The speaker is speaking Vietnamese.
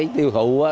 cái tiêu thụ á